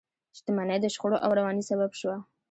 شتمنۍ د شخړو او ورانۍ سبب شوه.